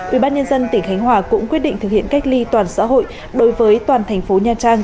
ubnd tỉnh khánh hòa cũng quyết định thực hiện cách ly toàn xã hội đối với toàn thành phố nha trang